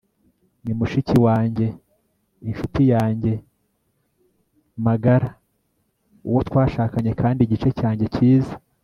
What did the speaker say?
ni mushiki wanjye, inshuti yanjye magara, uwo twashakanye kandi igice cyanjye cyiza